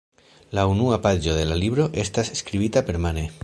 La unua paĝo de la libro estas skribita permane.